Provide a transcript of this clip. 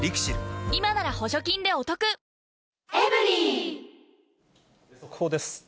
今なら補助金でお得速報です。